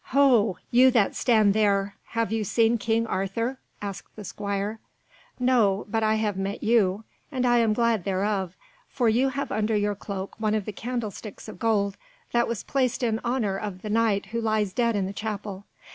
"Ho! you that stand there, have you seen King Arthur?" asked the squire. "No, but I have met you, and I am glad thereof, for you have under your cloak one of the candlesticks of gold that was placed in honour of the Knight who lies dead in the chapel.